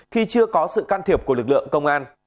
khi chưa có sự can thiệp của lực lượng công an